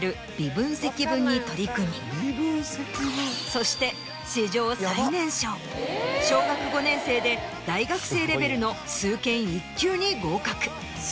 そして史上最年少小学５年生で大学生レベルの数検１級に合格。